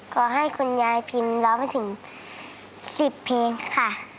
ขอให้คุณยายพิมพ์ร้องให้ถึง๑๐เพลงค่ะ